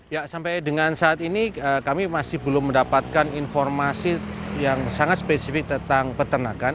ya sampai dengan saat ini kami masih belum mendapatkan informasi yang sangat spesifik tentang peternakan